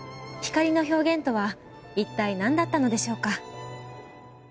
光の表現とはいったい何だったのでしょうか。